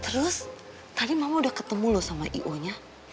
terus tadi mama udah ketemu loh sama ionya